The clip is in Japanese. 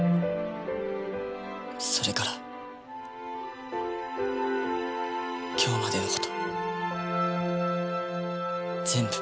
それから今日までの事全部。